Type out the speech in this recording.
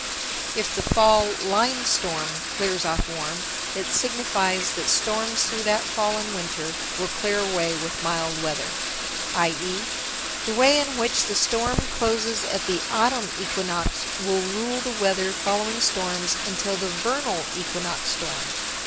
_ 1063. If the fall "line storm" clears off warm, it signifies that storms through that fall and winter will clear away with mild weather, i.e., the way in which the storm closes at the autumnal equinox will rule the weather following storms until the vernal equinox storm.